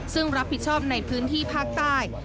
ซึ่งรับผิดชอบในพื้นที่ภาคใต้